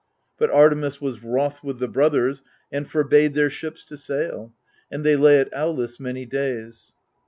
But Artemis was wroth with the brothers, and forbade their ships to sail ; and they lay at Aulis many days.